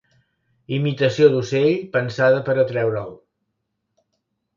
Imitació d'ocell pensada per atreure'l.